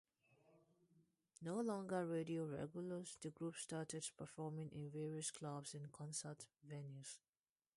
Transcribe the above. No longer radio regulars, the group started performing in various clubs and concert venues.